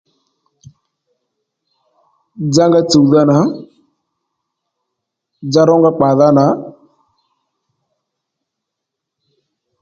Dzá nga tsùwdha nà dza rónga kpàdha nà